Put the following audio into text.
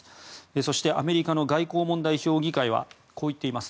そしてアメリカの外交問題評議会はこう言っています。